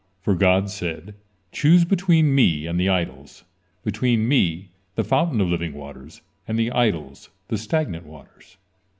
For God said: "Choose between Me and the idols; between Me, the fountain of living waters, and the idols, the stagnant waters."